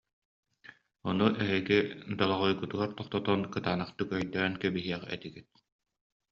Ону эһиги долоҕойгутугар тохтотон, кытаанахтык өйдөөн кэбиһиэх этигит